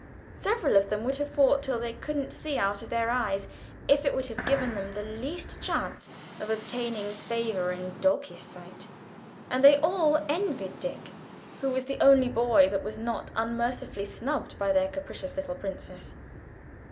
Several of them would have fought till they couldn't see out of their eyes if it would have given them the least chance of obtaining favour in Dulcie's sight, and they all envied Dick, who was the only boy that was not unmercifully snubbed by their capricious little princess.